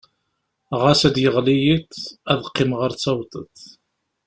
Ɣas ad d-yeɣli yiḍ, ad qqimeɣ ar d-tawḍeḍ.